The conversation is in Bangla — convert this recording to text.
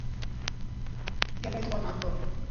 এটাই তোমার ভাগ্য।